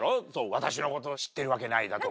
私のこと知ってるわけないだとか。